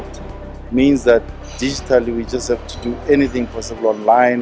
berarti digital kita hanya harus melakukan apa saja yang bisa secara online